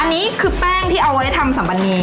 อันนี้คือแป้งที่เอาไว้ทำสัมปนี